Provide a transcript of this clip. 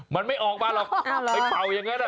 มันไม่ออกมาหรอกไปเป่ายังไงล่ะ